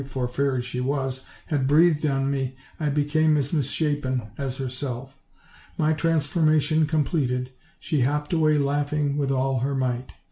(for fairy she was) had breathed on me, I "became as mis shapen as herself. My transformation completed, she hopped away laughing with all her might.